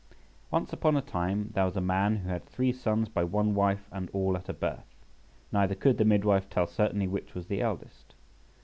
ONCE upon a time there was a man who had three sons by one wife and all at a birth, neither could the midwife tell certainly which was the eldest.